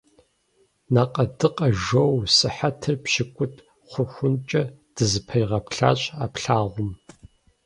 Накъэдыкъэ жоу сыхьэтыр пщыкӏут хъухункӏэ дызэпигъэплъащ а плъагъум.